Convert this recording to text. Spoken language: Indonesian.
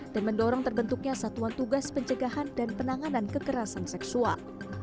dan mendorong terbentuknya satuan tugas pencegahan dan penanganan kekerasan seksual